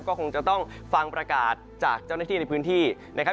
ก็คงจะต้องฟังประกาศจากเจ้าหน้าที่ในพื้นที่นะครับ